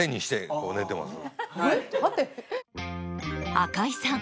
赤井さん